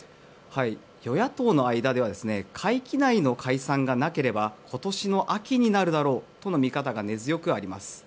与野党の間では会期内の解散がなければ今年の秋になるだろうとの見方が根強くあります。